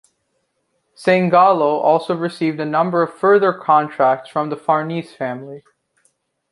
Sangallo also received a number of further contracts from the Farnese family.